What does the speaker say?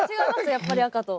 やっぱり赤と。